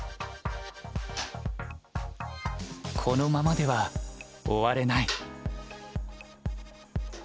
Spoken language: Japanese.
このままでは終われない。